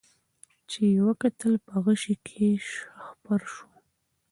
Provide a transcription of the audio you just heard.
چي یې وکتل په غشي کي شهپر وو